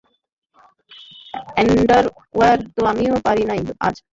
Underwear তো আমিও পরি নাই আজ!